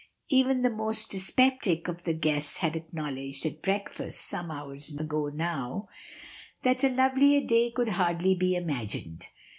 Even the most dyspeptic of the guests had acknowledged at breakfast, some hours ago now, that a lovelier day could hardly be imagined.